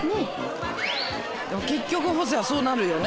結局ホセはそうなるよね。